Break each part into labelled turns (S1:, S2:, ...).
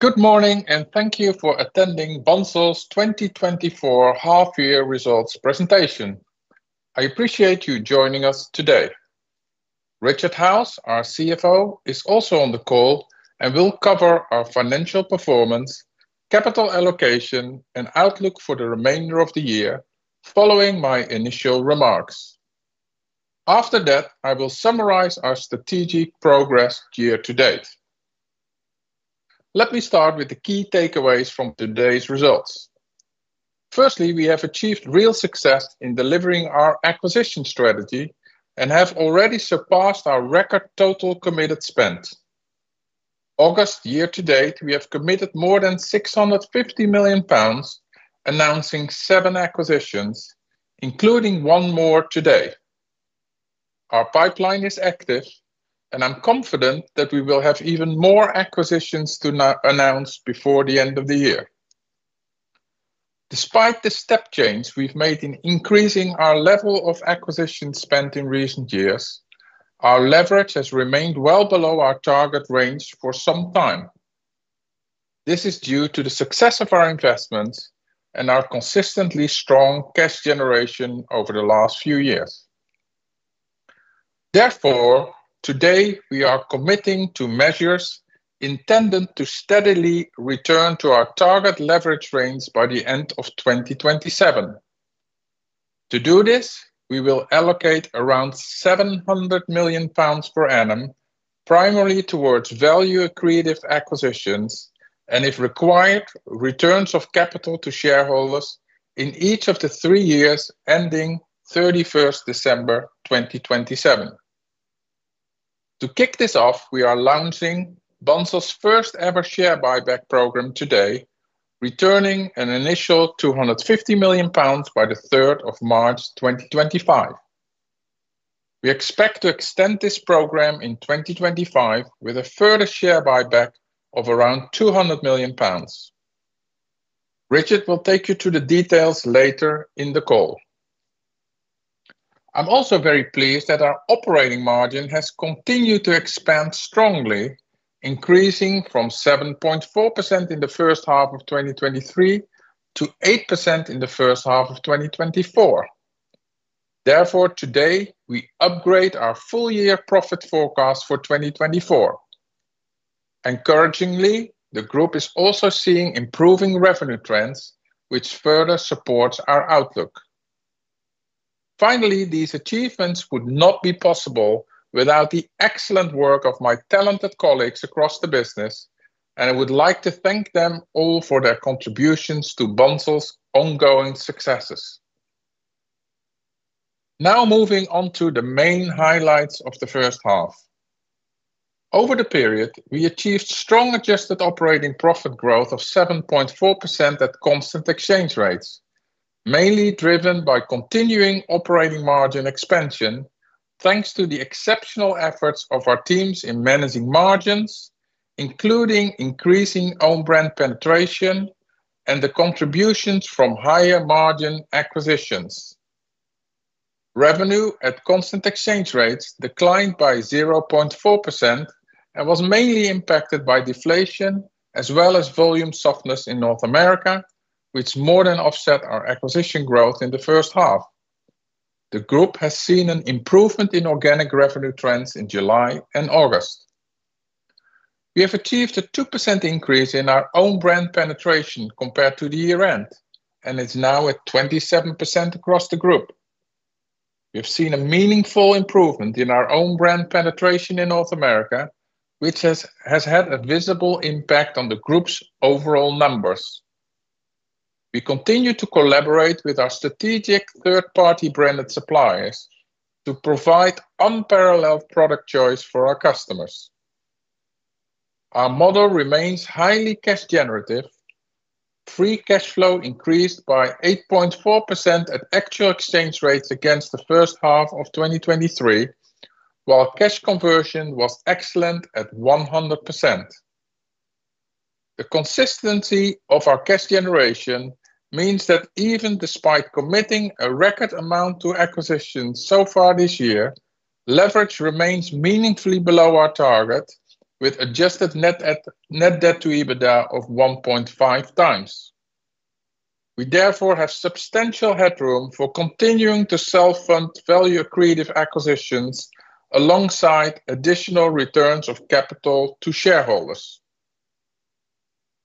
S1: Good morning, and thank you for attending Bunzl's 2024 half-year results presentation. I appreciate you joining us today. Richard Howes, our CFO, is also on the call and will cover our financial performance, capital allocation, and outlook for the remainder of the year following my initial remarks. After that, I will summarize our strategic progress year-to-date. Let me start with the key takeaways from today's results. Firstly, we have achieved real success in delivering our acquisition strategy and have already surpassed our record total committed spend. August year-to-date, we have committed more than 650 million pounds, announcing seven acquisitions, including one more today. Our pipeline is active, and I'm confident that we will have even more acquisitions to announce before the end of the year. Despite the step change we've made in increasing our level of acquisition spend in recent years, our leverage has remained well below our target range for some time. This is due to the success of our investments and our consistently strong cash generation over the last few years. Therefore, today we are committing to measures intended to steadily return to our target leverage range by the end of 2027. To do this, we will allocate around 700 million pounds per annum, primarily towards value-accretive acquisitions, and if required, returns of capital to shareholders in each of the three years ending December 31st, 2027. To kick this off, we are launching Bunzl's first-ever share buyback program today, returning an initial 250 million pounds by the 3rd of March 2025. We expect to extend this program in 2025 with a further share buyback of around 200 million pounds. Richard will take you through the details later in the call. I'm also very pleased that our operating margin has continued to expand strongly, increasing from 7.4% in the first half of 2023 to 8% in the first half of 2024. Therefore, today, we upgrade our full-year profit forecast for 2024. Encouragingly, the group is also seeing improving revenue trends, which further supports our outlook. Finally, these achievements would not be possible without the excellent work of my talented colleagues across the business, and I would like to thank them all for their contributions to Bunzl's ongoing successes. Now, moving on to the main highlights of the first half. Over the period, we achieved strong adjusted operating profit growth of 7.4% at constant exchange rates, mainly driven by continuing operating margin expansion, thanks to the exceptional efforts of our teams in managing margins, including increasing own brand penetration and the contributions from higher margin acquisitions. Revenue at constant exchange rates declined by 0.4% and was mainly impacted by deflation, as well as volume softness in North America, which more than offset our acquisition growth in the first half. The group has seen an improvement in organic revenue trends in July and August. We have achieved a 2% increase in our own brand penetration compared to the year-end, and it's now at 27% across the group. We've seen a meaningful improvement in our own brand penetration in North America, which has had a visible impact on the group's overall numbers. We continue to collaborate with our strategic third-party branded suppliers to provide unparalleled product choice for our customers. Our model remains highly cash generative. Free cash flow increased by 8.4% at actual exchange rates against the first half of 2023, while cash conversion was excellent at 100%. The consistency of our cash generation means that even despite committing a record amount to acquisitions so far this year, leverage remains meaningfully below our target, with adjusted net debt to EBITDA of 1.5x. We therefore have substantial headroom for continuing to self-fund value-accretive acquisitions alongside additional returns of capital to shareholders.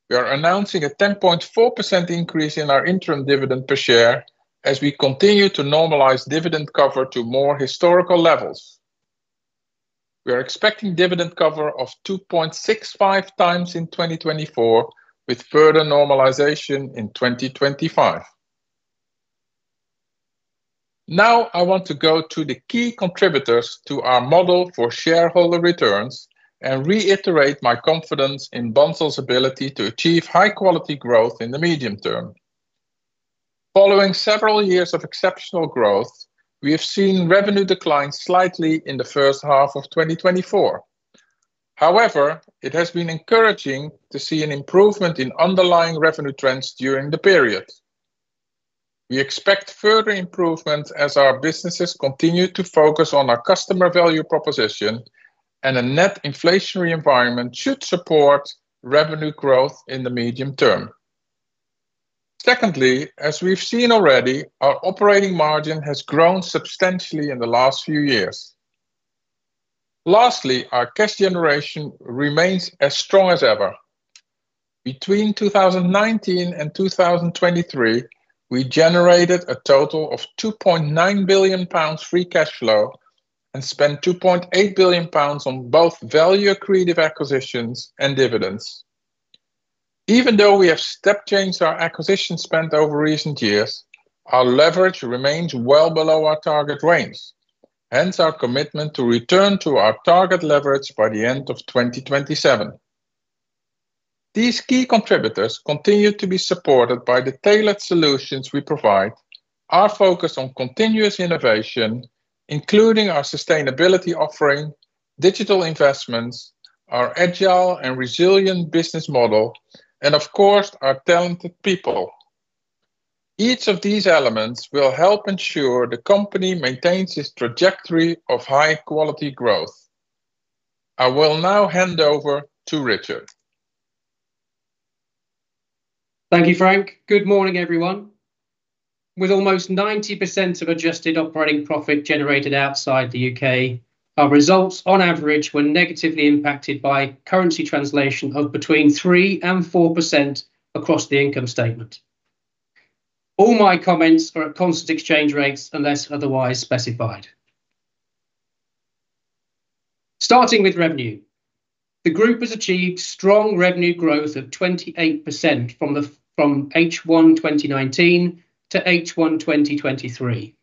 S1: We are announcing a 10.4% increase in our interim dividend per share as we continue to normalize dividend cover to more historical levels. We are expecting dividend cover of 2.65x in 2024, with further normalisation in 2025. Now, I want to go to the key contributors to our model for shareholder returns and reiterate my confidence in Bunzl's ability to achieve high-quality growth in the medium term. Following several years of exceptional growth, we have seen revenue decline slightly in the first half of 2024. However, it has been encouraging to see an improvement in underlying revenue trends during the period. We expect further improvements as our businesses continue to focus on our customer value proposition, and a net inflationary environment should support revenue growth in the medium term. Secondly, as we've seen already, our operating margin has grown substantially in the last few years. Lastly, our cash generation remains as strong as ever. Between 2019 and 2023, we generated a total of 2.9 billion pounds free cash flow and spent 2.8 billion pounds on both value accretive acquisitions and dividends. Even though we have step changed our acquisition spend over recent years, our leverage remains well below our target range, hence our commitment to return to our target leverage by the end of 2027. These key contributors continue to be supported by the tailored solutions we provide, our focus on continuous innovation, including our sustainability offering, digital investments, our agile and resilient business model, and of course, our talented people. Each of these elements will help ensure the company maintains its trajectory of high quality growth. I will now hand over to Richard.
S2: Thank you, Frank. Good morning, everyone. With almost 90% of adjusted operating profit generated outside the U.K., our results on average were negatively impacted by currency translation of between 3% and 4% across the income statement. All my comments are at constant exchange rates, unless otherwise specified. Starting with revenue, the group has achieved strong revenue growth of 28% from H1 2019 to H1 2023.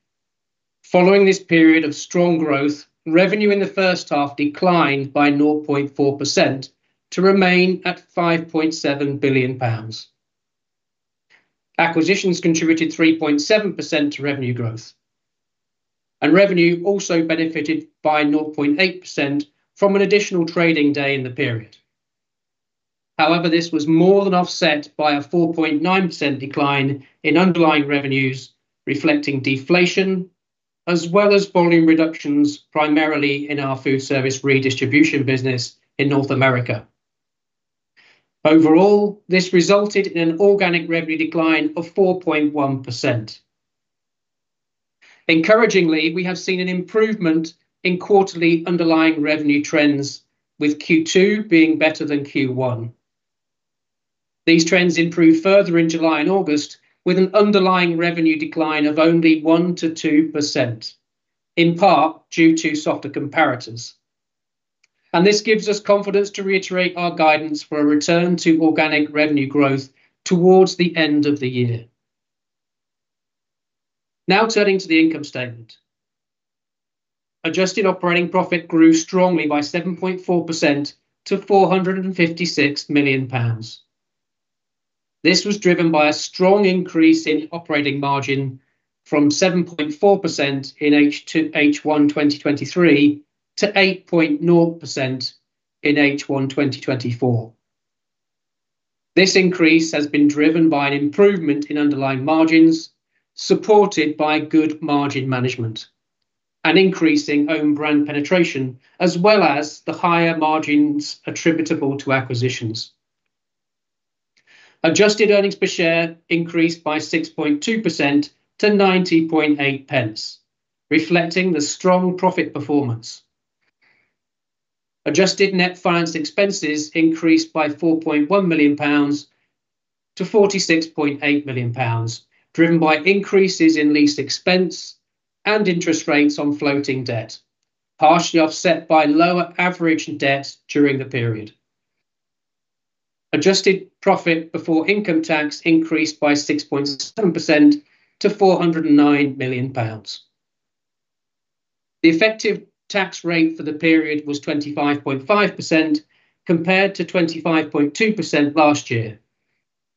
S2: Following this period of strong growth, revenue in the first half declined by 0.4% to remain at 5.7 billion pounds. Acquisitions contributed 3.7% to revenue growth, and revenue also benefited by 0.8% from an additional trading day in the period. However, this was more than offset by a 4.9% decline in underlying revenues, reflecting deflation as well as volume reductions, primarily in our food service redistribution business in North America. Overall, this resulted in an organic revenue decline of 4.1%. Encouragingly, we have seen an improvement in quarterly underlying revenue trends, with Q2 being better than Q1. These trends improved further in July and August, with an underlying revenue decline of only 1%-2%, in part due to softer comparators. And this gives us confidence to reiterate our guidance for a return to organic revenue growth towards the end of the year. Now, turning to the income statement. Adjusted operating profit grew strongly by 7.4% to 456 million pounds. This was driven by a strong increase in operating margin from 7.4% in H2, H1 2023 to 8.0% in H1 2024. This increase has been driven by an improvement in underlying margins, supported by good margin management and increasing own brand penetration, as well as the higher margins attributable to acquisitions. Adjusted earnings per share increased by 6.2% to 0.908, reflecting the strong profit performance. Adjusted net finance expenses increased by 4.1 million pounds to 46.8 million pounds, driven by increases in lease expense and interest rates on floating debt, partially offset by lower average debt during the period. Adjusted profit before income tax increased by 6.7% to 409 million pounds. The effective tax rate for the period was 25.5%, compared to 25.2% last year,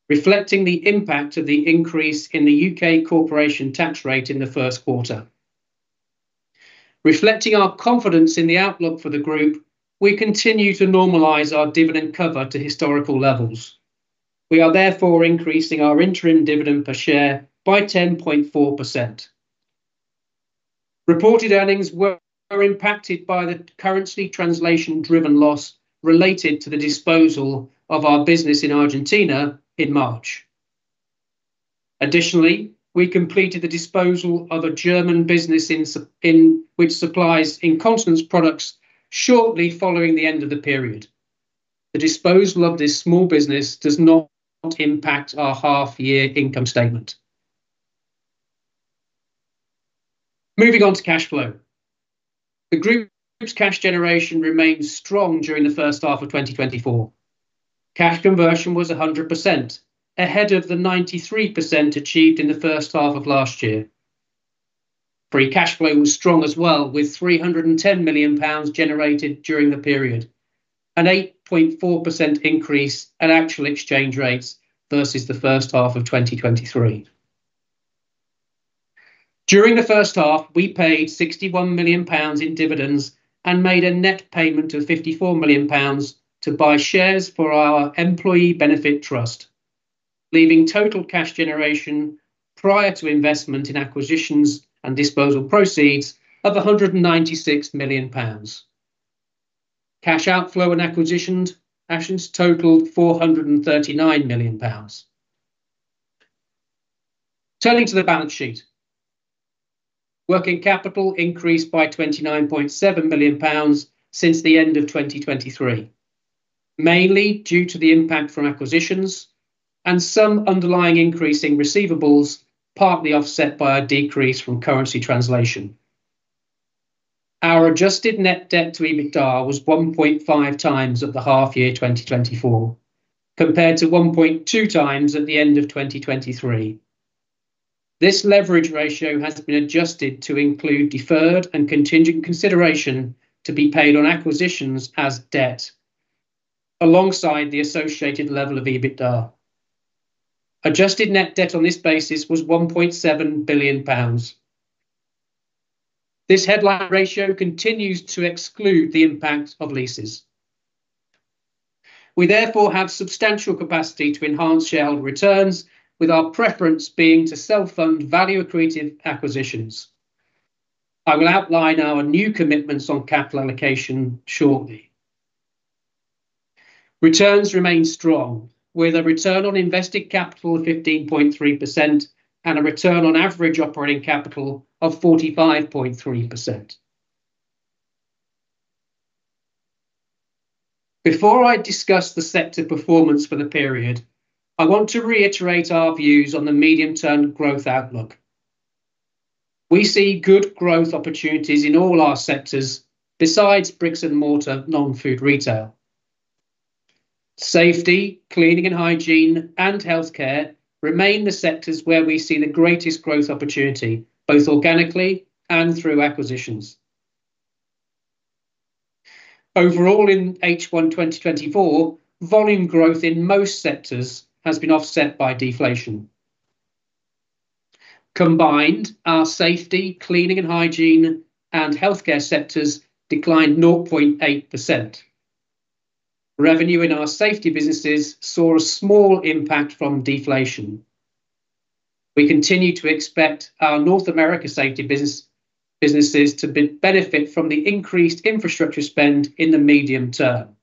S2: reflecting the impact of the increase in the U.K. corporation tax rate in the first quarter. Reflecting our confidence in the outlook for the group, we continue to normalize our dividend cover to historical levels. We are therefore increasing our interim dividend per share by 10.4%. Reported earnings were impacted by the currency translation driven loss related to the disposal of our business in Argentina in March. Additionally, we completed the disposal of a German business, which supplies incontinence products shortly following the end of the period. The disposal of this small business does not impact our half year income statement. Moving on to cash flow. The group's cash generation remained strong during the first half of 2024. Cash conversion was 100%, ahead of the 93% achieved in the first half of last year. Free cash flow was strong as well, with 310 million pounds generated during the period, an 8.4% increase at actual exchange rates versus the first half of 2023. During the first half, we paid 61 million pounds in dividends and made a net payment of 54 million pounds to buy shares for our employee benefit trust, leaving total cash generation prior to investment in acquisitions and disposal proceeds of 196 million pounds. Cash outflow on acquisitions actions totaled 439 million pounds. Turning to the balance sheet, working capital increased by 29.7 million pounds since the end of 2023, mainly due to the impact from acquisitions and some underlying increase in receivables, partly offset by a decrease from currency translation. Our adjusted net debt to EBITDA was 1.5x at the half year 2024, compared to 1.2x at the end of 2023. This leverage ratio has been adjusted to include deferred and contingent consideration to be paid on acquisitions as debt, alongside the associated level of EBITDA. Adjusted net debt on this basis was 1.7 billion pounds. This headline ratio continues to exclude the impact of leases. We therefore have substantial capacity to enhance shareholder returns, with our preference being to self-fund value accretive acquisitions. I will outline our new commitments on capital allocation shortly. Returns remain strong, with a return on invested capital of 15.3% and a return on average operating capital of 45.3%. Before I discuss the sector performance for the period, I want to reiterate our views on the medium-term growth outlook. We see good growth opportunities in all our sectors, besides bricks and mortar, non-food retail. Safety, cleaning and hygiene, and healthcare remain the sectors where we see the greatest growth opportunity, both organically and through acquisitions. Overall, in H1 2024, volume growth in most sectors has been offset by deflation. Combined, our safety, cleaning and hygiene, and healthcare sectors declined 0.8%. Revenue in our safety businesses saw a small impact from deflation. We continue to expect our North America safety businesses to benefit from the increased infrastructure spend in the medium term.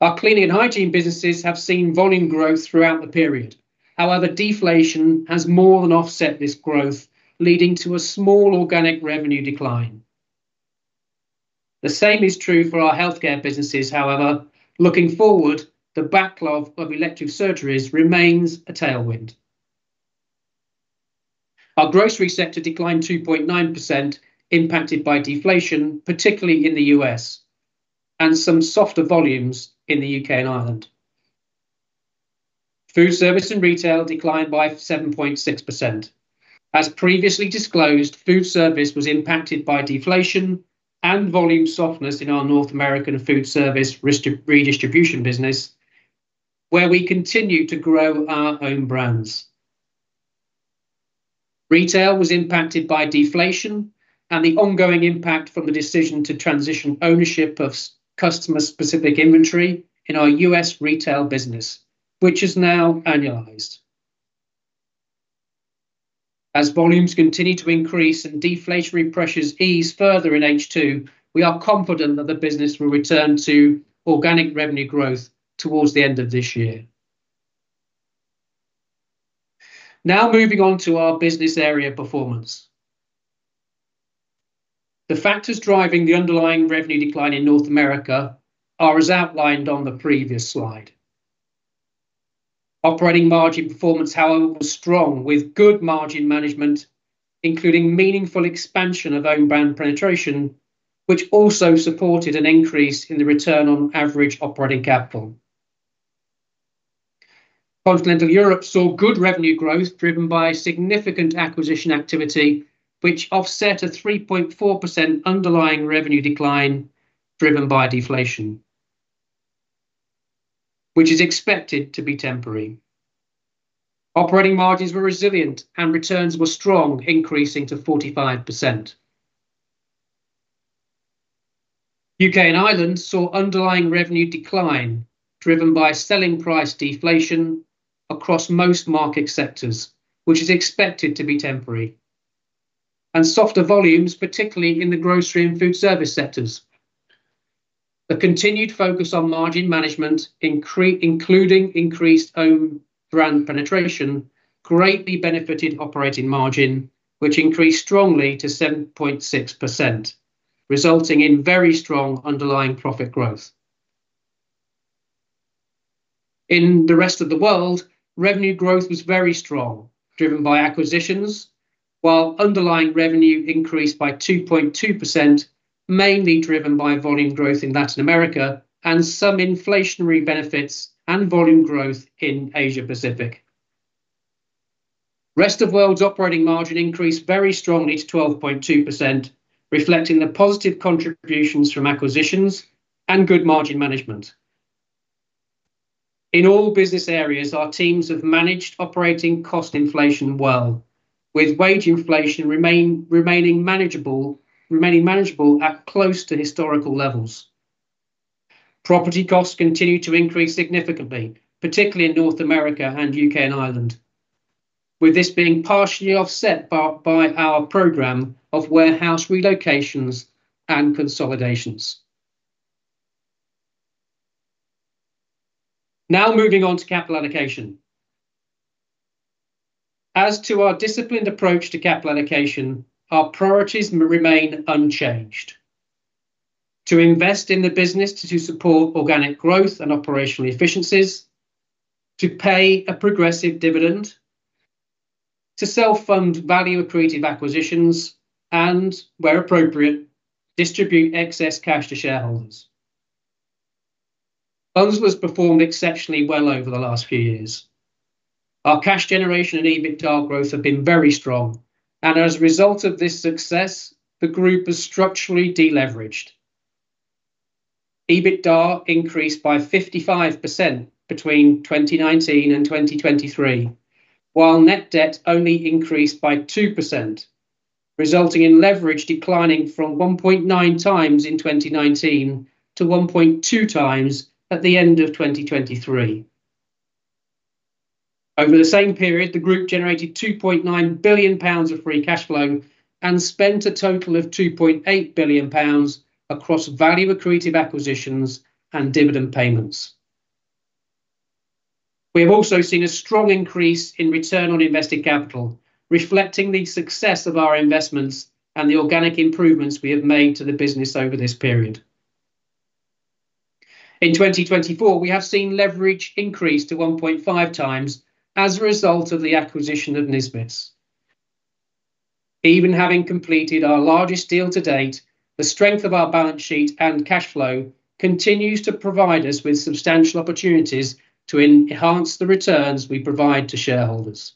S2: Our cleaning and hygiene businesses have seen volume growth throughout the period. However, deflation has more than offset this growth, leading to a small organic revenue decline. The same is true for our healthcare businesses. However, looking forward, the backlog of elective surgeries remains a tailwind. Our grocery sector declined 2.9%, impacted by deflation, particularly in the U.S., and some softer volumes in the U.K. and Ireland. Food service and retail declined by 7.6%. As previously disclosed, food service was impacted by deflation and volume softness in our North American food service redistribution business, where we continue to grow our own brands. Retail was impacted by deflation and the ongoing impact from the decision to transition ownership of customer-specific inventory in our U.S. retail business, which is now annualized. As volumes continue to increase and deflationary pressures ease further in H2, we are confident that the business will return to organic revenue growth towards the end of this year. Now moving on to our business area performance. The factors driving the underlying revenue decline in North America are as outlined on the previous slide. Operating margin performance, however, was strong, with good margin management, including meaningful expansion of own brand penetration, which also supported an increase in the return on average operating capital. Continental Europe saw good revenue growth, driven by significant acquisition activity, which offset a 3.4% underlying revenue decline, driven by deflation, which is expected to be temporary. Operating margins were resilient, and returns were strong, increasing to 45%. U.K. and Ireland saw underlying revenue decline, driven by selling price deflation across most market sectors, which is expected to be temporary, and softer volumes, particularly in the grocery and food service sectors. A continued focus on margin management, including increased own brand penetration, greatly benefited operating margin, which increased strongly to 7.6%, resulting in very strong underlying profit growth. In the rest of the world, revenue growth was very strong, driven by acquisitions, while underlying revenue increased by 2.2%, mainly driven by volume growth in Latin America and some inflationary benefits and volume growth in Asia Pacific. Rest of world's operating margin increased very strongly to 12.2%, reflecting the positive contributions from acquisitions and good margin management. In all business areas, our teams have managed operating cost inflation well, with wage inflation remaining manageable at close to historical levels. Property costs continue to increase significantly, particularly in North America and U.K. and Ireland, with this being partially offset by our program of warehouse relocations and consolidations. Now moving on to capital allocation. As to our disciplined approach to capital allocation, our priorities remain unchanged: to invest in the business to support organic growth and operational efficiencies, to pay a progressive dividend, to self-fund value-accretive acquisitions, and where appropriate, distribute excess cash to shareholders. Bunzl has performed exceptionally well over the last few years. Our cash generation and EBITDA growth have been very strong, and as a result of this success, the group has structurally de-leveraged. EBITDA increased by 55% between 2019 and 2023, while net debt only increased by 2%, resulting in leverage declining from 1.9x in 2019 to 1.2x at the end of 2023. Over the same period, the group generated 2.9 billion pounds of free cash flow and spent a total of 2.8 billion pounds across value-accretive acquisitions and dividend payments. We have also seen a strong increase in return on invested capital, reflecting the success of our investments and the organic improvements we have made to the business over this period. In 2024, we have seen leverage increase to 1.5x as a result of the acquisition of Nisbets. Even having completed our largest deal to date, the strength of our balance sheet and cash flow continues to provide us with substantial opportunities to enhance the returns we provide to shareholders.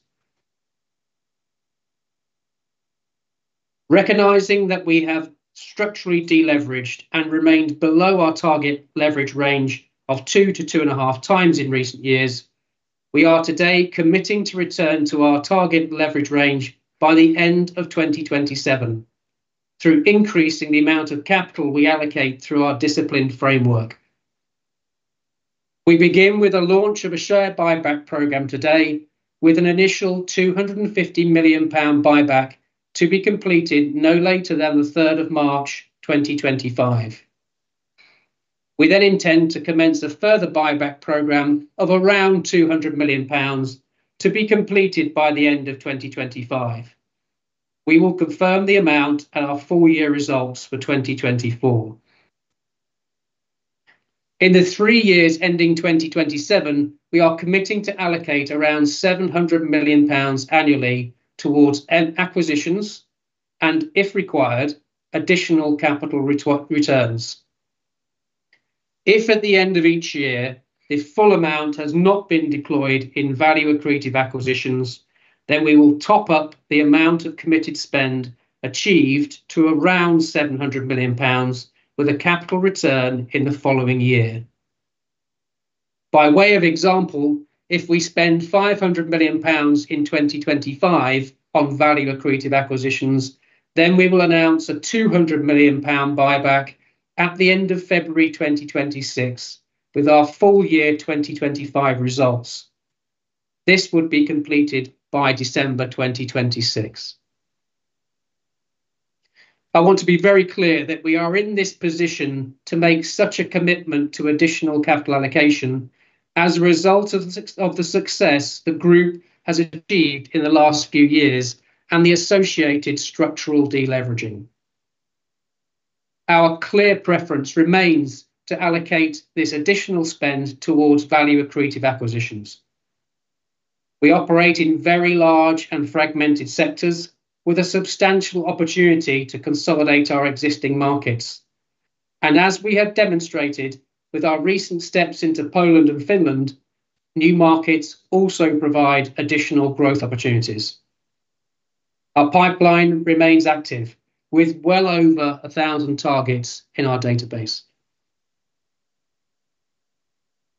S2: Recognizing that we have structurally de-leveraged and remained below our target leverage range of 2x-2.5x in recent years, we are today committing to return to our target leverage range by the end of 2027, through increasing the amount of capital we allocate through our disciplined framework. We begin with the launch of a share buyback program today, with an initial 250 million pound buyback to be completed no later than the third of March 2025. We then intend to commence a further buyback program of around 200 million pounds to be completed by the end of 2025. We will confirm the amount at our full year results for 2024. In the three years ending 2027, we are committing to allocate around 700 million pounds annually towards acquisitions, and if required, additional capital returns. If at the end of each year, the full amount has not been deployed in value-accretive acquisitions, then we will top up the amount of committed spend achieved to around 700 million pounds, with a capital return in the following year. By way of example, if we spend 500 million pounds in 2025 on value-accretive acquisitions, then we will announce a 200 million pound buyback at the end of February 2026, with our full year 2025 results. This would be completed by December 2026. I want to be very clear that we are in this position to make such a commitment to additional capital allocation as a result of the success the group has achieved in the last few years and the associated structural de-leveraging. Our clear preference remains to allocate this additional spend towards value-accretive acquisitions. We operate in very large and fragmented sectors, with a substantial opportunity to consolidate our existing markets. And as we have demonstrated with our recent steps into Poland and Finland, new markets also provide additional growth opportunities. Our pipeline remains active, with well over a thousand targets in our database.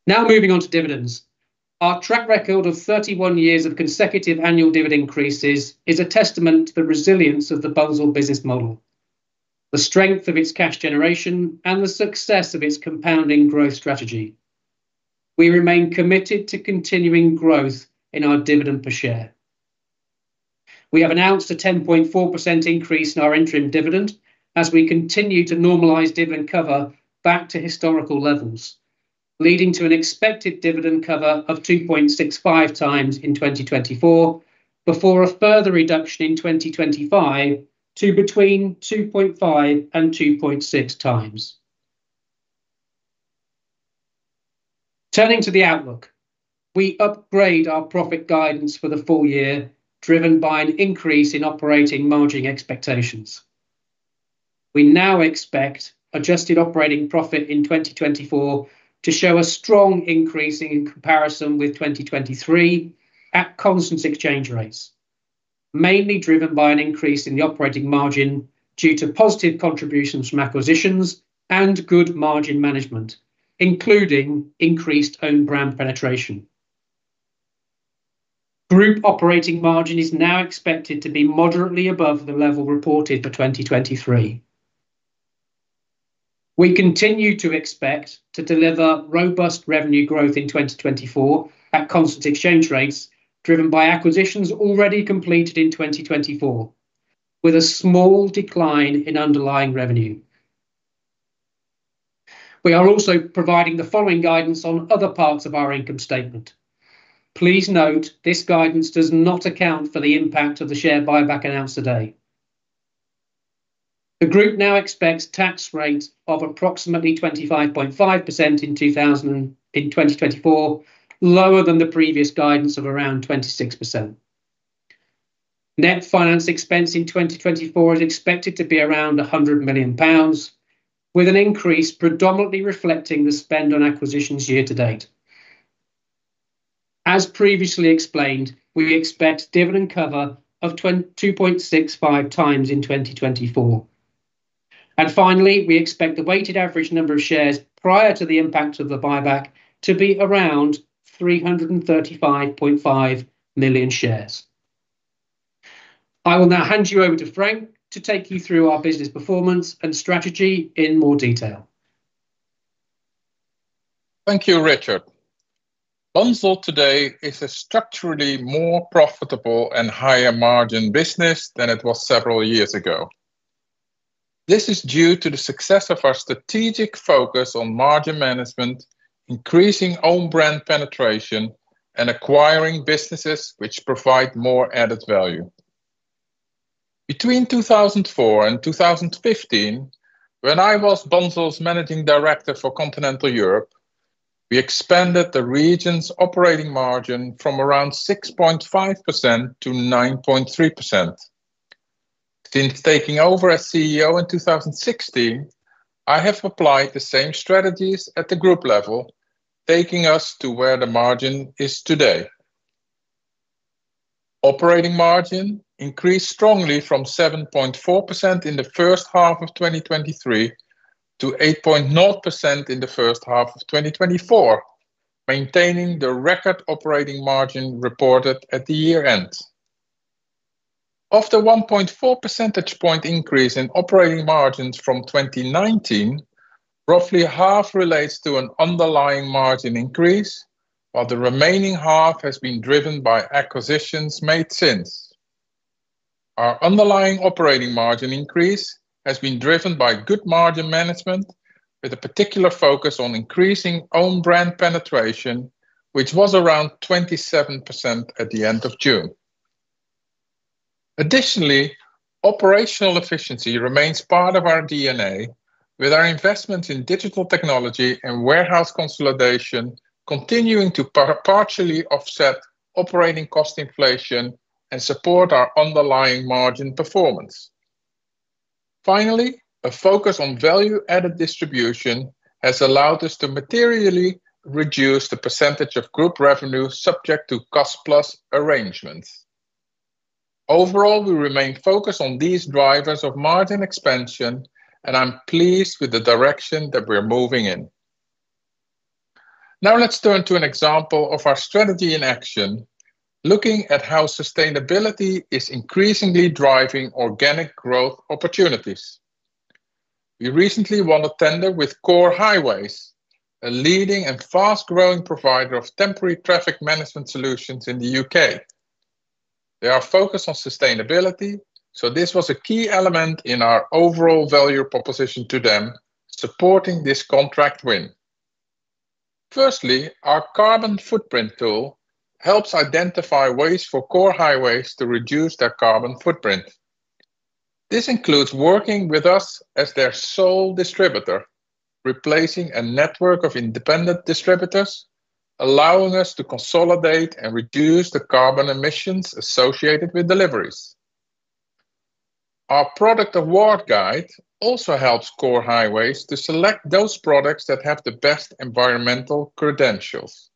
S2: Now moving on to dividends. Our track record of 31 years of consecutive annual dividend increases is a testament to the resilience of the Bunzl business model, the strength of its cash generation, and the success of its compounding growth strategy. We remain committed to continuing growth in our dividend per share. We have announced a 10.4% increase in our interim dividend as we continue to normalize dividend cover back to historical levels, leading to an expected dividend cover of 2.65x in 2024, before a further reduction in 2025 to between 2.5x and 2.6x. Turning to the outlook, we upgrade our profit guidance for the full year, driven by an increase in operating margin expectations. We now expect adjusted operating profit in 2024 to show a strong increase in comparison with 2023 at constant exchange rates, mainly driven by an increase in the operating margin due to positive contributions from acquisitions and good margin management, including increased own brand penetration. Group operating margin is now expected to be moderately above the level reported for 2023. We continue to expect to deliver robust revenue growth in 2024 at constant exchange rates, driven by acquisitions already completed in 2024, with a small decline in underlying revenue. We are also providing the following guidance on other parts of our income statement. Please note, this guidance does not account for the impact of the share buyback announced today. The group now expects tax rates of approximately 25.5% in 2024, lower than the previous guidance of around 26%. Net finance expense in 2024 is expected to be around 100 million pounds, with an increase predominantly reflecting the spend on acquisitions year-to-date. As previously explained, we expect dividend cover of 2.65x in 2024. Finally, we expect the weighted average number of shares prior to the impact of the buyback to be around 335.5 million shares. I will now hand you over to Frank to take you through our business performance and strategy in more detail.
S1: Thank you, Richard. Bunzl today is a structurally more profitable and higher margin business than it was several years ago. This is due to the success of our strategic focus on margin management, increasing own brand penetration, and acquiring businesses which provide more added value. Between 2004 and 2015, when I was Bunzl's Managing Director for Continental Europe, we expanded the region's operating margin from around 6.5%-9.3%. Since taking over as CEO in 2016, I have applied the same strategies at the group level, taking us to where the margin is today. Operating margin increased strongly from 7.4% in the first half of 2023 to 8.0% in the first half of 2024, maintaining the record operating margin reported at the year-end. Of the 1.4 percentage point increase in operating margins from 2019, roughly half relates to an underlying margin increase, while the remaining half has been driven by acquisitions made since. Our underlying operating margin increase has been driven by good margin management, with a particular focus on increasing own brand penetration, which was around 27% at the end of June. Additionally, operational efficiency remains part of our DNA, with our investment in digital technology and warehouse consolidation continuing to partially offset operating cost inflation and support our underlying margin performance. Finally, a focus on value-added distribution has allowed us to materially reduce the percentage of group revenue subject to cost plus arrangements. Overall, we remain focused on these drivers of margin expansion, and I'm pleased with the direction that we're moving in. Now let's turn to an example of our strategy in action, looking at how sustainability is increasingly driving organic growth opportunities. We recently won a tender with Core Highways, a leading and fast-growing provider of temporary traffic management solutions in the U.K. They are focused on sustainability, so this was a key element in our overall value proposition to them, supporting this contract win. Firstly, our carbon footprint tool helps identify ways for Core Highways to reduce their carbon footprint. This includes working with us as their sole distributor, replacing a network of independent distributors, allowing us to consolidate and reduce the carbon emissions associated with deliveries. Our product award guide also helps Core Highways to select those products that have the best environmental credentials.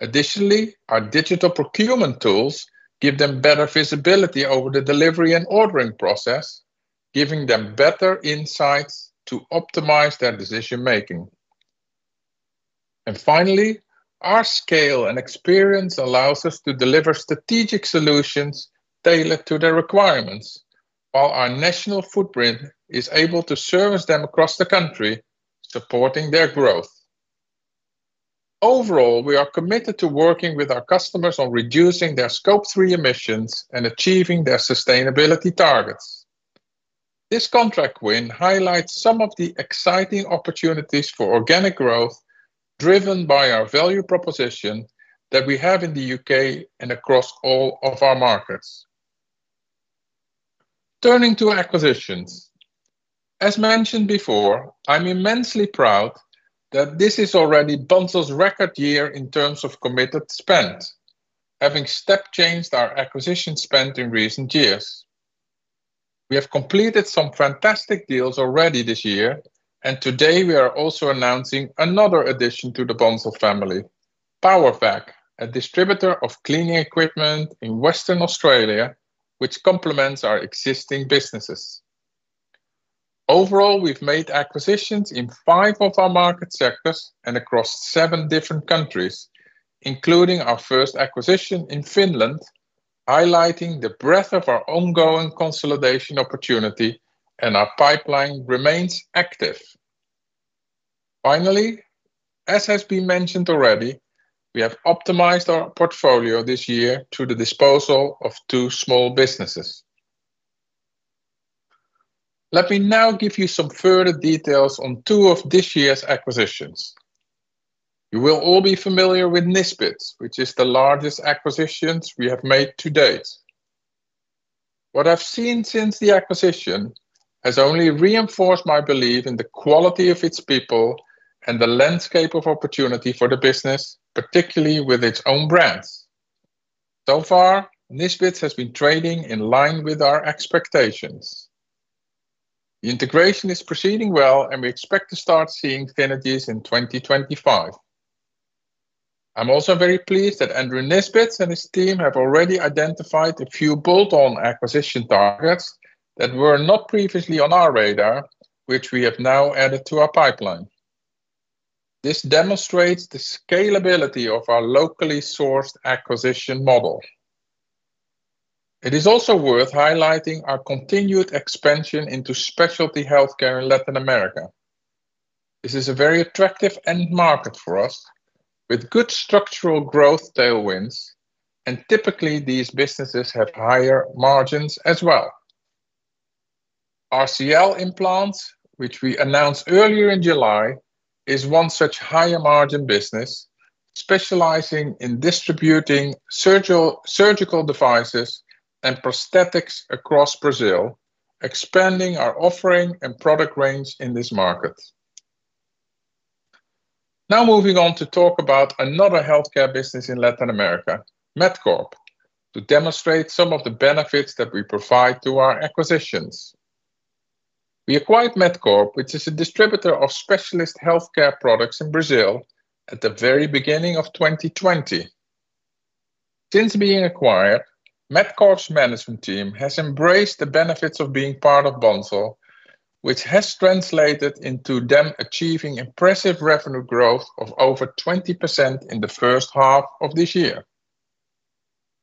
S1: Additionally, our digital procurement tools give them better visibility over the delivery and ordering process, giving them better insights to optimize their decision making. Finally, our scale and experience allows us to deliver strategic solutions tailored to their requirements, while our national footprint is able to service them across the country, supporting their growth. Overall, we are committed to working with our customers on reducing their Scope 3 emissions and achieving their sustainability targets. This contract win highlights some of the exciting opportunities for organic growth driven by our value proposition that we have in the U.K. and across all of our markets. Turning to acquisitions. As mentioned before, I'm immensely proud that this is already Bunzl's record year in terms of committed spend, having step changed our acquisition spend in recent years.... We have completed some fantastic deals already this year, and today we are also announcing another addition to the Bunzl family, PowerVac, a distributor of cleaning equipment in Western Australia, which complements our existing businesses. Overall, we've made acquisitions in five of our market sectors and across seven different countries, including our first acquisition in Finland, highlighting the breadth of our ongoing consolidation opportunity, and our pipeline remains active. Finally, as has been mentioned already, we have optimized our portfolio this year through the disposal of two small businesses. Let me now give you some further details on two of this year's acquisitions. You will all be familiar with Nisbets, which is the largest acquisition we have made to date. What I've seen since the acquisition has only reinforced my belief in the quality of its people and the landscape of opportunity for the business, particularly with its own brands. So far, Nisbets has been trading in line with our expectations. The integration is proceeding well, and we expect to start seeing synergies in 2025. I'm also very pleased that Andrew Nisbet and his team have already identified a few bolt-on acquisition targets that were not previously on our radar, which we have now added to our pipeline. This demonstrates the scalability of our locally sourced acquisition model. It is also worth highlighting our continued expansion into specialty healthcare in Latin America. This is a very attractive end market for us, with good structural growth tailwinds, and typically, these businesses have higher margins as well. RCL Implants, which we announced earlier in July, is one such higher-margin business, specializing in distributing surgical devices and prosthetics across Brazil, expanding our offering and product range in this market. Now moving on to talk about another healthcare business in Latin America, MedCorp, to demonstrate some of the benefits that we provide to our acquisitions. We acquired MedCorp, which is a distributor of specialist healthcare products in Brazil, at the very beginning of 2020. Since being acquired, MedCorp's management team has embraced the benefits of being part of Bunzl, which has translated into them achieving impressive revenue growth of over 20% in the first half of this year.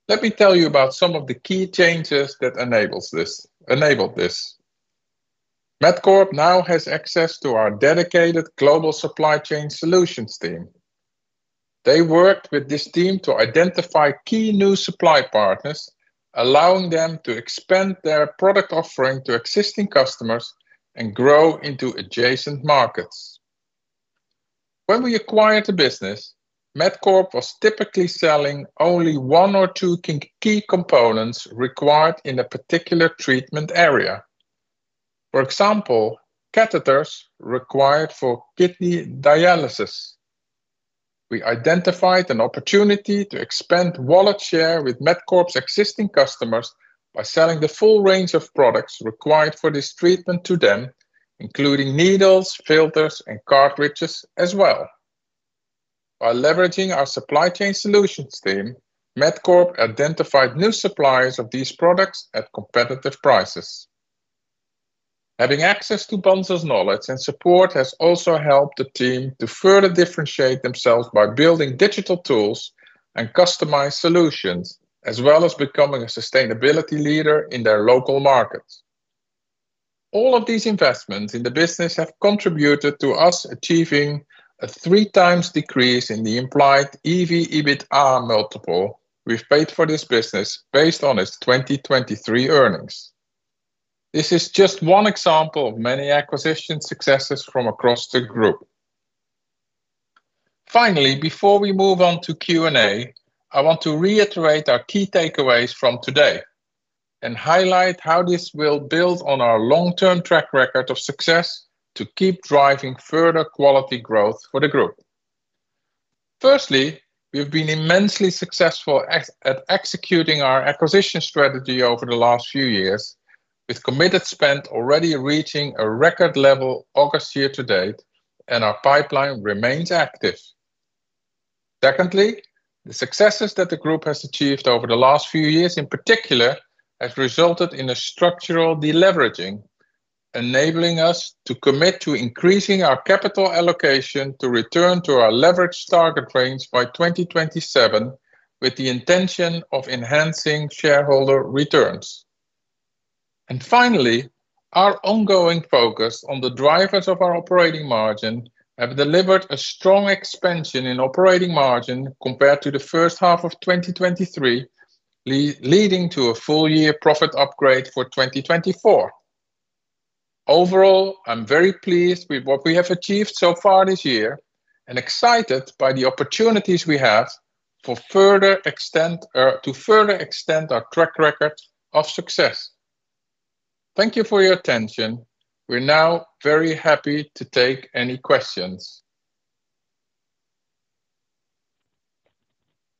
S1: Let me tell you about some of the key changes that enables this, enabled this. MedCorp now has access to our dedicated global supply chain solutions team. They worked with this team to identify key new supply partners, allowing them to expand their product offering to existing customers and grow into adjacent markets. When we acquired the business, MedCorp was typically selling only one or two key, key components required in a particular treatment area. For example, catheters required for kidney dialysis. We identified an opportunity to expand wallet share with MedCorp's existing customers by selling the full range of products required for this treatment to them, including needles, filters, and cartridges as well. By leveraging our supply chain solutions team, MedCorp identified new suppliers of these products at competitive prices. Having access to Bunzl's knowledge and support has also helped the team to further differentiate themselves by building digital tools and customized solutions, as well as becoming a sustainability leader in their local markets. All of these investments in the business have contributed to us achieving a three times decrease in the implied EV/EBITDA multiple we've paid for this business based on its 2023 earnings. This is just one example of many acquisition successes from across the group. Finally, before we move on to Q&A, I want to reiterate our key takeaways from today and highlight how this will build on our long-term track record of success to keep driving further quality growth for the group. Firstly, we've been immensely successful at executing our acquisition strategy over the last few years, with committed spend already reaching a record level August year-to-date, and our pipeline remains active. Secondly, the successes that the group has achieved over the last few years, in particular, have resulted in a structural deleveraging, enabling us to commit to increasing our capital allocation to return to our leverage target range by 2027, with the intention of enhancing shareholder returns. And finally, our ongoing focus on the drivers of our operating margin has delivered a strong expansion in operating margin compared to the first half of 2023, leading to a full year profit upgrade for 2024. Overall, I'm very pleased with what we have achieved so far this year and excited by the opportunities we have to further extend our track record of success. Thank you for your attention. We're now very happy to take any questions....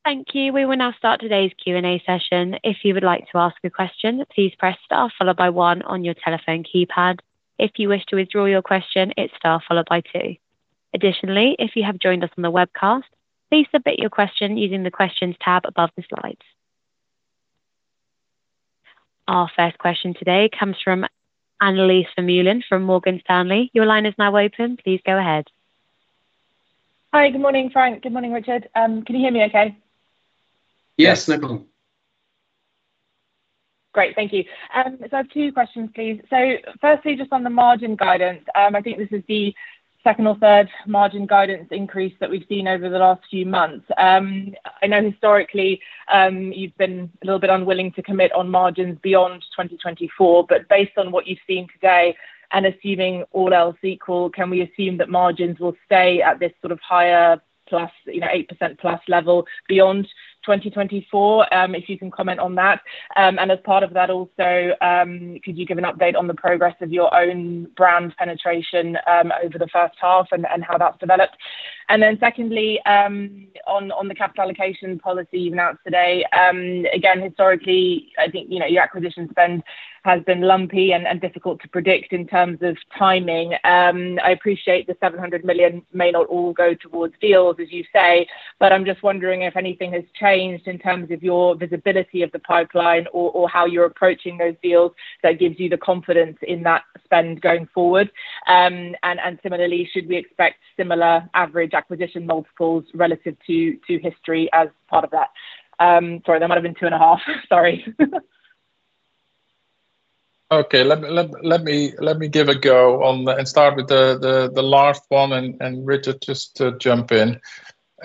S3: Thank you. We will now start today's Q&A session. If you would like to ask a question, please press star followed by one on your telephone keypad. If you wish to withdraw your question, it's star followed by two. Additionally, if you have joined us on the webcast, please submit your question using the questions tab above the slides. Our first question today comes from Annelies Vermeulen from Morgan Stanley. Your line is now open. Please go ahead.
S4: Hi, good morning, Frank. Good morning, Richard. Can you hear me okay?
S1: Yes, no problem.
S4: Great, thank you. So I have two questions, please. So firstly, just on the margin guidance, I think this is the second or third margin guidance increase that we've seen over the last few months. I know historically, you've been a little bit unwilling to commit on margins beyond 2024, but based on what you've seen today and assuming all else equal, can we assume that margins will stay at this sort of higher plus, you know, 8%+ level beyond 2024? If you can comment on that. And as part of that, also, could you give an update on the progress of your own brand penetration, over the first half and how that's developed? And then secondly, on the capital allocation policy you've announced today, again, historically, I think, you know, your acquisition spend has been lumpy and difficult to predict in terms of timing. I appreciate the 700 million may not all go towards deals, as you say, but I'm just wondering if anything has changed in terms of your visibility of the pipeline or how you're approaching those deals that gives you the confidence in that spend going forward. And similarly, should we expect similar average acquisition multiples relative to history as part of that? Sorry, that might have been two and a half. Sorry.
S1: Okay. Let me give a go on the... And start with the last one, and, Richard, just to jump in.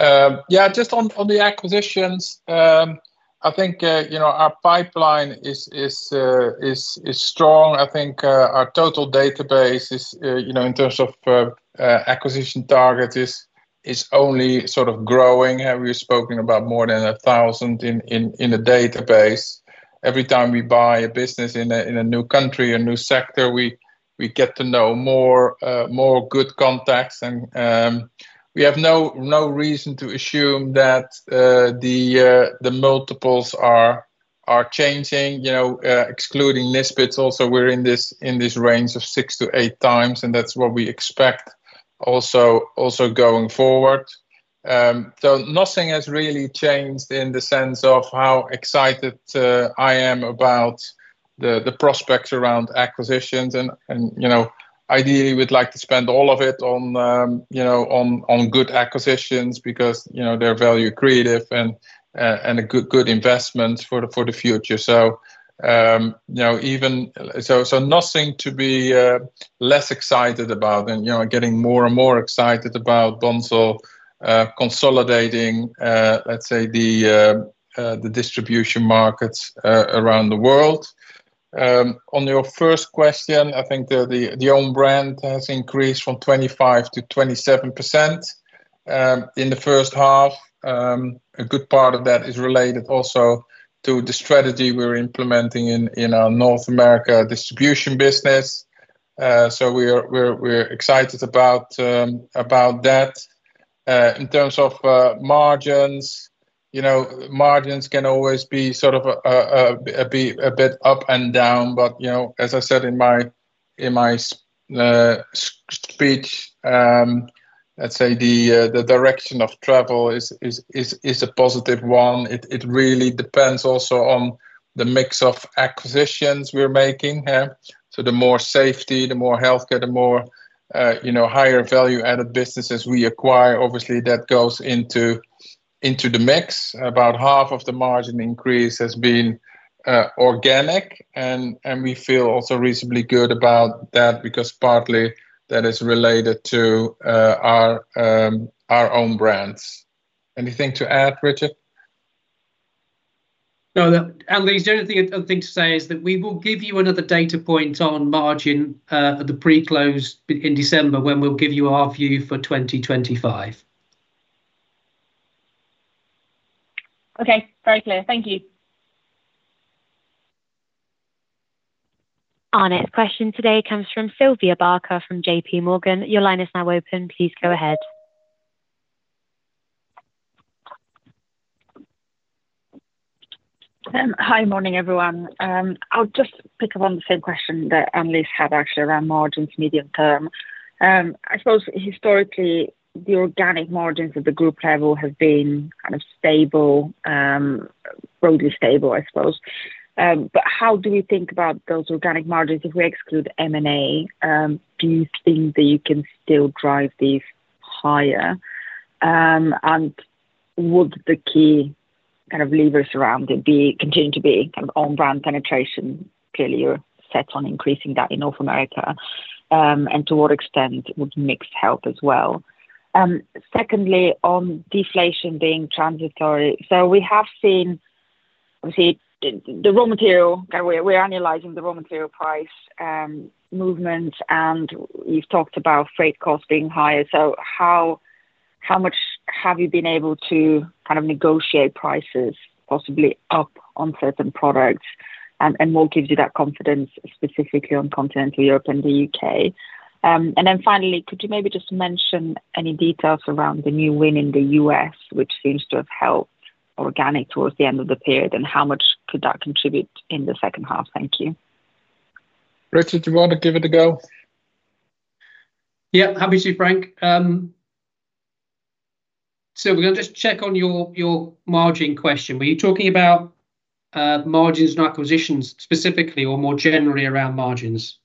S1: Yeah, just on the acquisitions, I think, you know, our pipeline is strong. I think, our total database is, you know, in terms of acquisition targets, only sort of growing. Have we spoken about more than a thousand in the database? Every time we buy a business in a new country, a new sector, we get to know more good contacts and, we have no reason to assume that the multiples are changing, you know, excluding Nisbets. Also, we're in this range of six to eight times, and that's what we expect also going forward. So nothing has really changed in the sense of how excited I am about the prospects around acquisitions and, you know, ideally, we'd like to spend all of it on, you know, on good acquisitions because, you know, they're value creative and a good investment for the future. So, you know, even so, nothing to be less excited about and, you know, getting more and more excited about Bunzl consolidating, let's say the distribution markets around the world. On your first question, I think the own brand has increased from 25% to 27% in the first half. A good part of that is related also to the strategy we're implementing in our North America distribution business, so we're excited about that. In terms of margins, you know, margins can always be sort of a bit up and down, but, you know, as I said in my speech, let's say the direction of travel is a positive one. It really depends also on the mix of acquisitions we're making, yeah, so the more safety, the more healthcare, the more, you know, higher value-added businesses we acquire, obviously that goes into the mix. About half of the margin increase has been organic, and we feel also reasonably good about that because partly that is related to our own brands. Anything to add, Richard?
S2: No. Annelies, the only thing, other thing to say is that we will give you another data point on margin at the pre-close in December, when we'll give you our view for 2025.
S4: Okay. Very clear. Thank you.
S3: Our next question today comes from Sylvia Barker, from JPMorgan. Your line is now open. Please go ahead.
S5: Hi. Morning, everyone. I'll just pick up on the same question that Annelies had, actually, around margins medium term. I suppose historically, the organic margins at the group level have been kind of stable, broadly stable, I suppose. But how do you think about those organic margins if we exclude M&A? Do you think that you can still drive these higher? And would the key kind of levers around it continue to be kind of own-brand penetration? Clearly, you're set on increasing that in North America. And to what extent would mix help as well? Secondly, on deflation being transitory. So we have seen, obviously, the raw material, and we're analyzing the raw material price movement, and we've talked about freight costs being higher. So how much have you been able to kind of negotiate prices, possibly up on certain products? And what gives you that confidence, specifically on Continental Europe and the U.K.? And then finally, could you maybe just mention any details around the new win in the U.S., which seems to have helped organic towards the end of the period, and how much could that contribute in the second half? Thank you.
S1: Richard, do you want to give it a go?
S2: Yeah, happy to, Frank. So we're gonna just check on your margin question. Were you talking about margins and acquisitions specifically, or more generally around margins?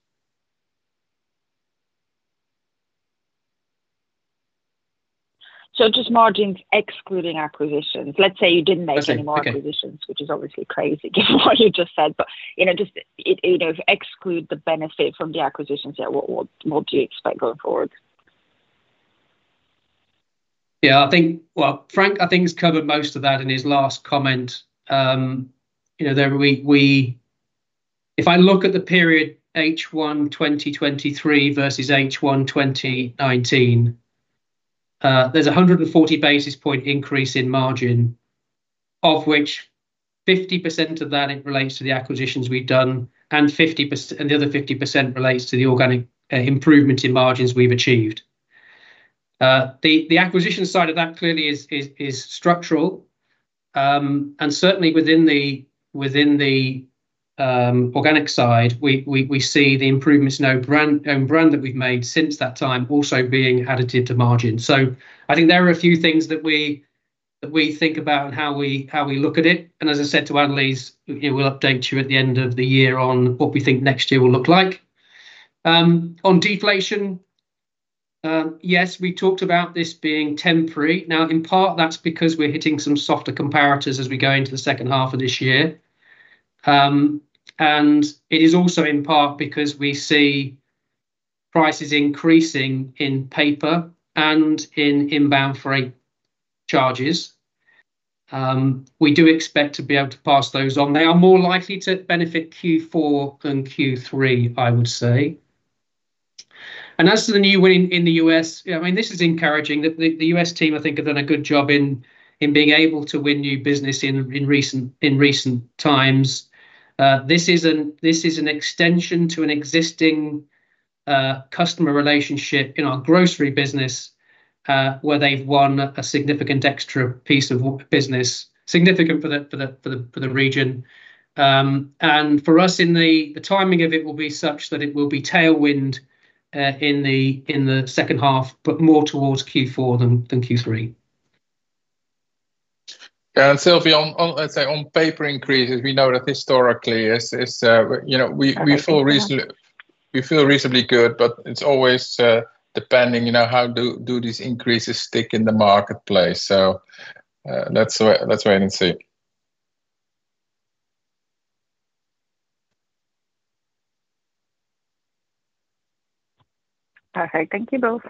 S5: So, just margins excluding acquisitions. Let's say you didn't make-
S2: Okay.
S5: Any more acquisitions, which is obviously crazy, given what you just said, but, you know, just, you know, exclude the benefit from the acquisitions. Yeah. What do you expect going forward?
S2: Yeah, I think. Well, Frank, I think, has covered most of that in his last comment. You know, if I look at the period H1 2023 versus H1 2019, there's 140 basis point increase in margin, of which 50% of that it relates to the acquisitions we've done, and 50%. And the other 50% relates to the organic improvement in margins we've achieved. The acquisition side of that, clearly, is structural, and certainly within the organic side, we see the improvements in own brand that we've made since that time also being additive to margin. I think there are a few things that we think about and how we look at it, and as I said to Annelies, you know, we'll update you at the end of the year on what we think next year will look like. On deflation, yes, we talked about this being temporary. Now, in part, that's because we're hitting some softer comparators as we go into the second half of this year. And it is also in part because we see prices increasing in paper and in inbound freight charges. We do expect to be able to pass those on. They are more likely to benefit Q4 than Q3, I would say. As to the new win in the U.S., yeah, I mean, this is encouraging. The U.S. team, I think, have done a good job in being able to win new business in recent times. This is an extension to an existing customer relationship in our grocery business, where they've won a significant extra piece of business, significant for the region. And for us, the timing of it will be such that it will be tailwind in the second half, but more towards Q4 than Q3.
S1: Sylvia, on paper increases, we know that historically it's you know we feel reasonably good, but it's always depending you know how do these increases stick in the marketplace? So, let's wait and see.
S5: Perfect. Thank you both.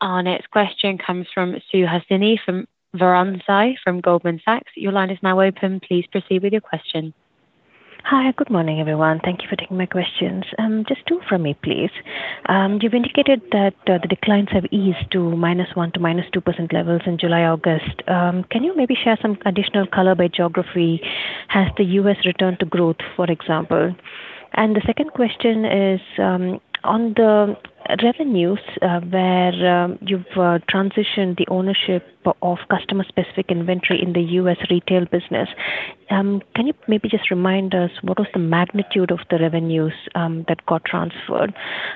S3: Our next question comes from Suhasini Varanasi from Goldman Sachs. Your line is now open. Please proceed with your question.
S6: Hi. Good morning, everyone. Thank you for taking my questions. Just two from me, please. You've indicated that the declines have eased -1% to -2% levels in July, August. Can you maybe share some additional color by geography? Has the U.S. returned to growth, for example? And the second question is on the revenues where you've transitioned the ownership of customer-specific inventory in the U.S. retail business. Can you maybe just remind us what was the magnitude of the revenues that got transferred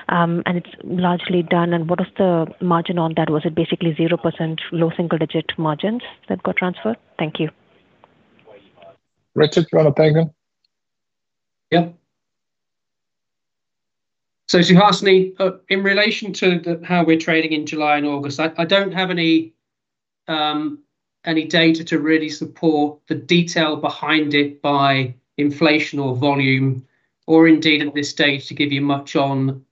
S6: and it's largely done, and what is the margin on that? Was it basically 0%, low single-digit margins that got transferred? Thank you.
S1: Richard, do you want to take that?
S2: Yeah. So Suhasini, in relation to how we're trading in July and August, I don't have any data to really support the detail behind it by inflation or volume or indeed, at this stage, to give you much on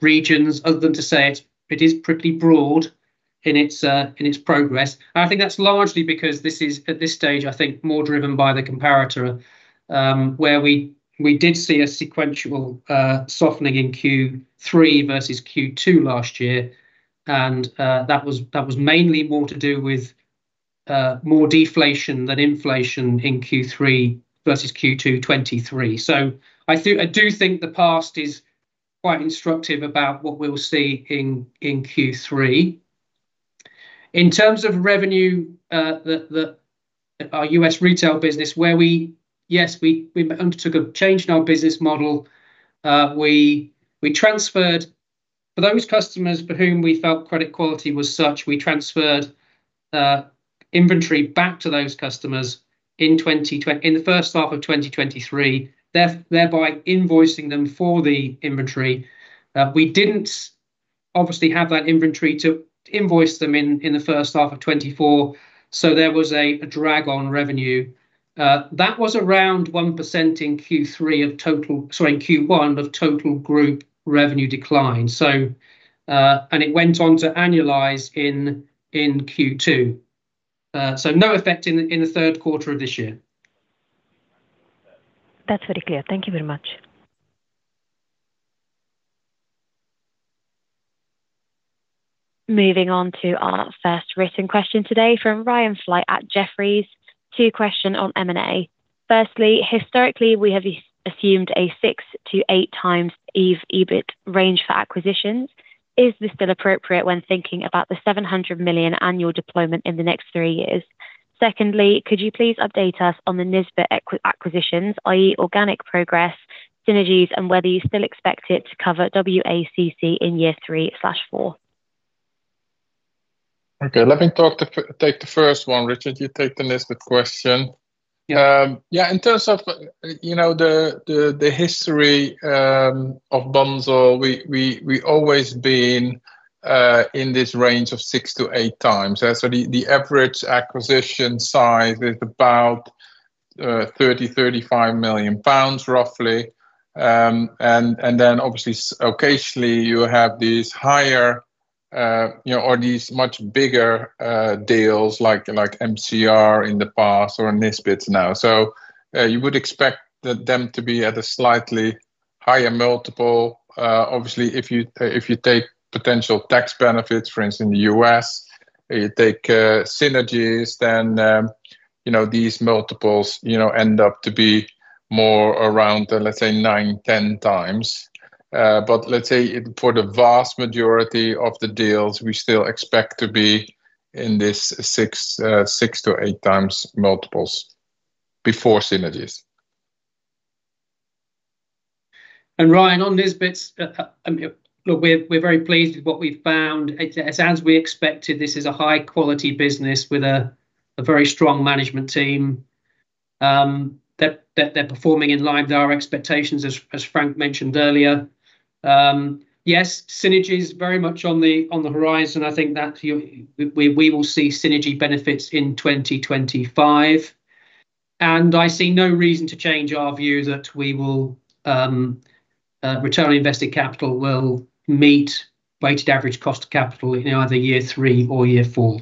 S2: regions, other than to say it is pretty broad in its progress. And I think that's largely because this is, at this stage, I think, more driven by the comparator, where we did see a sequential softening in Q3 versus Q2 last year. And that was mainly more to do with more deflation than inflation in Q3 versus Q2 2023. So I do think the past is quite instructive about what we'll see in Q3. In terms of revenue, our U.S. retail business, where we... Yes, we undertook a change in our business model. We transferred inventory back to those customers for whom we felt credit quality was such in the first half of 2023, thereby invoicing them for the inventory. We didn't obviously have that inventory to invoice them in the first half of 2024, so there was a drag on revenue. That was around 1% in Q1 of total group revenue decline. So, and it went on to annualize in Q2. So no effect in the third quarter of this year.
S6: That's very clear. Thank you very much....
S3: Moving on to our first written question today from Ryan Flight at Jefferies. Two questions on M&A. Firstly, historically, we have assumed a 6x-8x EV/EBIT range for acquisitions. Is this still appropriate when thinking about the seven hundred million annual deployment in the next three years? Secondly, could you please update us on the Nisbets acquisitions, i.e., organic progress, synergies, and whether you still expect it to cover WACC in year three/four?
S1: Okay, let me take the first one, Richard. You take the Nisbets question.
S2: Yeah.
S1: Yeah, in terms of, you know, the history of Bunzl, we always been in this range of 6x-8x. So the average acquisition size is about 30 million-35 million pounds, roughly. And then obviously, occasionally, you have these higher, you know, or these much bigger deals like MCR in the past or Nisbets now. So you would expect them to be at a slightly higher multiple. Obviously, if you take potential tax benefits, for instance, in the U.S., you take synergies, then you know, these multiples end up to be more around, let's say, nine, 10 times. But let's say for the vast majority of the deals, we still expect to be in this six to eight times multiples before synergies.
S2: And Ryan, on Nisbets, look, we're very pleased with what we've found. It's as we expected, this is a high-quality business with a very strong management team. They're performing in line with our expectations, as Frank mentioned earlier. Yes, synergy is very much on the horizon. I think that we will see synergy benefits in 2025, and I see no reason to change our view that return on invested capital will meet weighted average cost of capital in either year three or year four.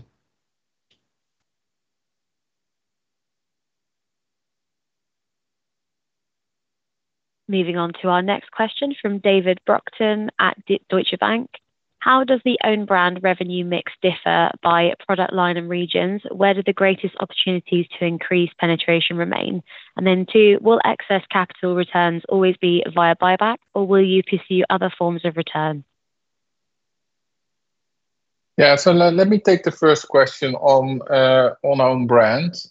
S3: Moving on to our next question from David Brockton at Deutsche Bank. How does the own brand revenue mix differ by product line and regions? Where do the greatest opportunities to increase penetration remain? And then, two, will excess capital returns always be via buyback, or will you pursue other forms of return?
S1: Yeah. So let me take the first question on own brands.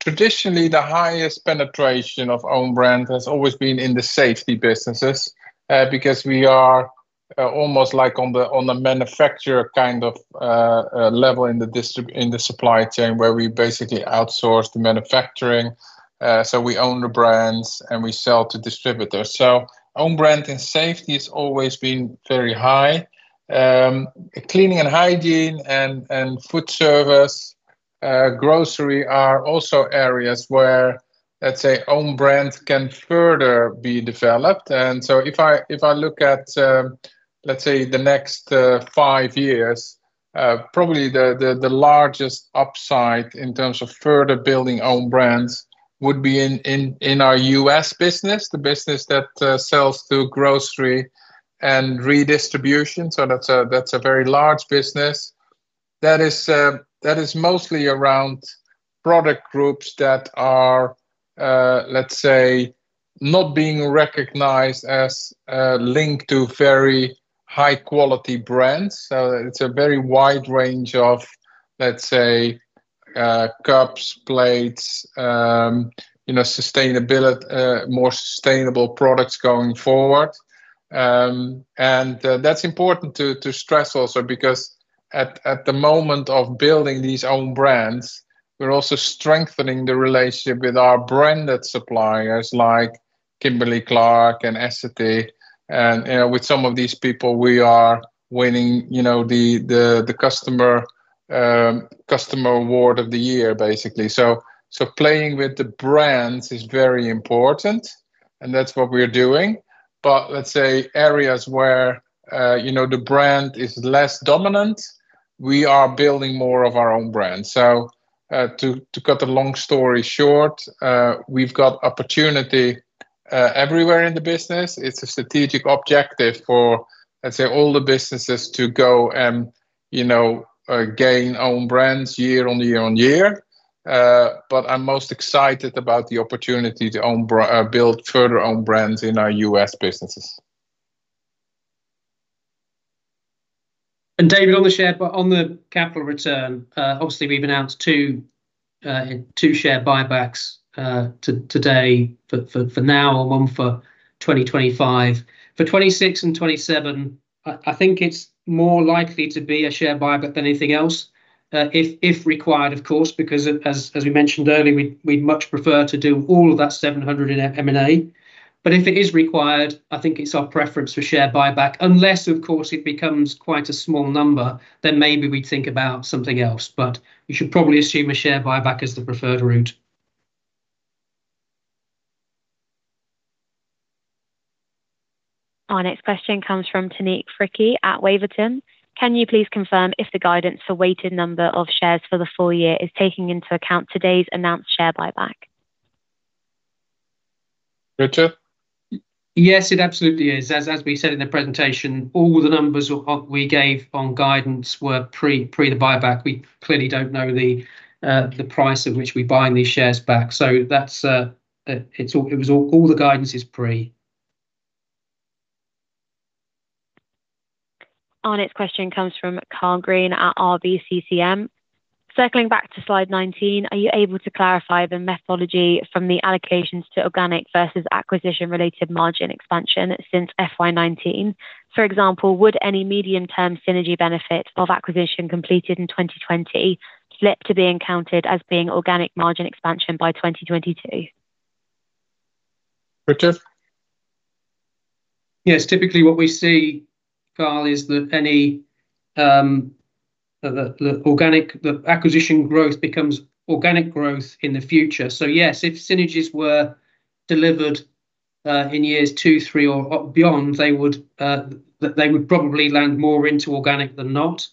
S1: Traditionally, the highest penetration of own brand has always been in the safety businesses because we are almost like on the manufacturer kind of level in the supply chain, where we basically outsource the manufacturing. So we own the brands, and we sell to distributors. So own brand in safety has always been very high. Cleaning and hygiene and food service grocery are also areas where, let's say, own brands can further be developed. And so if I look at, let's say, the next five years, probably the largest upside in terms of further building own brands would be in our U.S. business, the business that sells to grocery and redistribution. So that's a very large business. That is mostly around product groups that are, let's say, not being recognized as linked to very high-quality brands. So it's a very wide range of, let's say, cups, plates, you know, sustainability, more sustainable products going forward. And that's important to stress also, because at the moment of building these own brands, we're also strengthening the relationship with our branded suppliers, like Kimberly-Clark and Essity, and, you know, with some of these people, we are winning, you know, the customer award of the year, basically. Playing with the brands is very important, and that's what we're doing. But let's say areas where, you know, the brand is less dominant, we are building more of our own brands. So, to cut a long story short, we've got opportunity everywhere in the business. It's a strategic objective for, let's say, all the businesses to go and, you know, gain own brands year-on-year. But I'm most excited about the opportunity to build further own brands in our U.S. businesses.
S2: David, on the share, but on the capital return, obviously, we've announced two share buybacks today, for now, and one for 2025. For 2026 and 2027, I think it's more likely to be a share buyback than anything else, if required, of course, because as we mentioned earlier, we'd much prefer to do all of that 700 in M&A. But if it is required, I think it's our preference for share buyback, unless, of course, it becomes quite a small number, then maybe we'd think about something else. But you should probably assume a share buyback is the preferred route.
S3: Our next question comes from Tineke Frikkee at Waverton. Can you please confirm if the guidance for weighted number of shares for the full year is taking into account today's announced share buyback?...
S1: Richard?
S2: Yes, it absolutely is. As we said in the presentation, all the numbers we gave on guidance were pre the buyback. We clearly don't know the price at which we're buying these shares back, so that's all. It was all the guidance is pre.
S3: Our next question comes from Karl Green at RBCCM. Circling back to slide nineteen, are you able to clarify the methodology from the allocations to organic versus acquisition-related margin expansion since FY 2019? For example, would any medium-term synergy benefit of acquisition completed in 2020 slip to being counted as being organic margin expansion by 2022?
S1: Richard?
S2: Yes, typically what we see, Karl, is that any, the organic. The acquisition growth becomes organic growth in the future. So, yes, if synergies were delivered in years two, three, or beyond, they would probably land more into organic than not.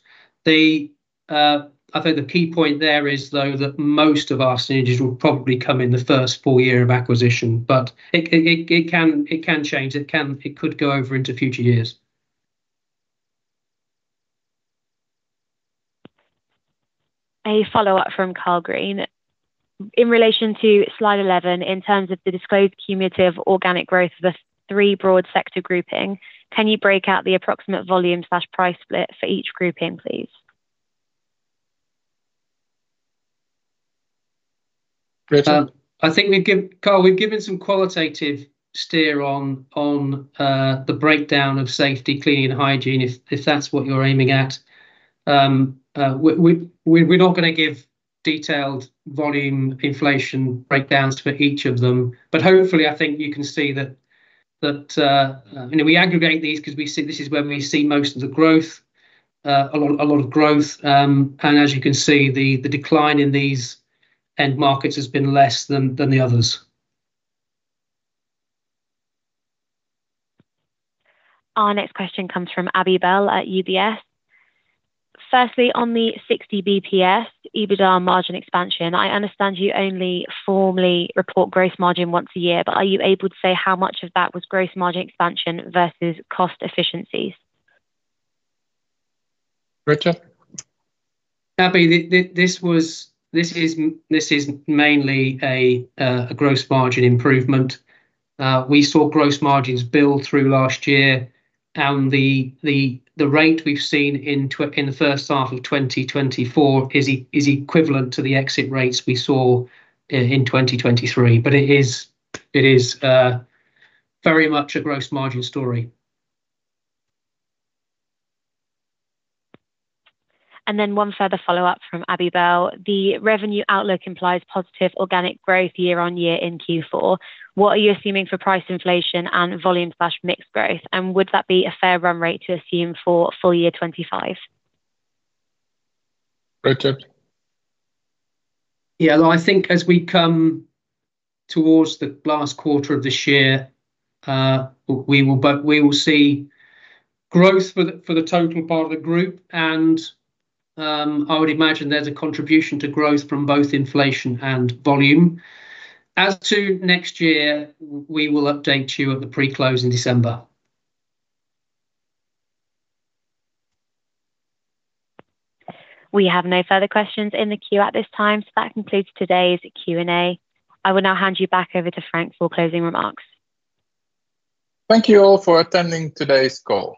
S2: I think the key point there is, though, that most of our synergies will probably come in the first full year of acquisition, but it can change. It could go over into future years.
S3: A follow-up from Karl Green. In relation to slide eleven, in terms of the disclosed cumulative organic growth of the three broad sector grouping, can you break out the approximate volume/price split for each grouping, please?
S1: Richard?
S2: I think we've given some qualitative steer on the breakdown of safety, cleaning, and hygiene, if that's what you're aiming at. We're not gonna give detailed volume inflation breakdowns for each of them, but hopefully, I think you can see that. You know, we aggregate these because we see this is where we see most of the growth, a lot of growth. And as you can see, the decline in these end markets has been less than the others.
S3: Our next question comes from Abi Bell at UBS. Firstly, on the 60 BPS, EBITDA margin expansion, I understand you only formally report gross margin once a year, but are you able to say how much of that was gross margin expansion versus cost efficiencies?
S1: Richard?
S2: Abi, this is mainly a gross margin improvement. We saw gross margins build through last year, and the rate we've seen in the first half of 2024 is equivalent to the exit rates we saw in 2023. But it is very much a gross margin story.
S3: And then one further follow-up from Abi Bell. The revenue outlook implies positive organic growth year-on-year in Q4. What are you assuming for price inflation and volume/mix growth, and would that be a fair run rate to assume for full year 2025?
S1: Richard?
S2: Yeah, well, I think as we come towards the last quarter of this year, we will, but we will see growth for the total part of the group, and I would imagine there's a contribution to growth from both inflation and volume. As to next year, we will update you at the pre-close in December.
S3: We have no further questions in the queue at this time, so that concludes today's Q&A. I will now hand you back over to Frank for closing remarks.
S1: Thank you all for attending today's call.